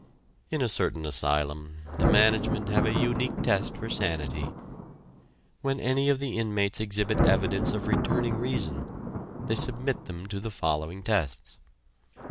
In a certain asylum, the management have a unique test for sanity. When any of the inmates exhibit evidence of returning reason, they submit them to the following tests.